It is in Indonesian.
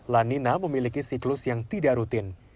lanina memiliki siklus yang tidak rutin